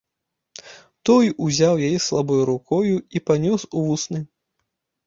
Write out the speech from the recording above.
Той узяў яе слабою рукою і панёс у вусны.